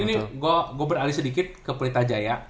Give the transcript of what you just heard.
ini gue beralih sedikit ke polita aja ya